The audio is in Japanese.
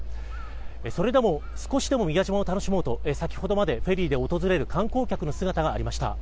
それでも少しでも楽しもうと先ほどまでフェリーで訪れる観光客の姿がありました。